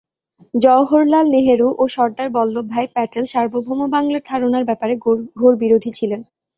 জওহরলাল নেহরু ও সর্দার বল্লভভাই প্যাটেল সার্বভৌম বাংলার ধারণার ব্যাপারে ঘোর বিরোধী ছিলেন।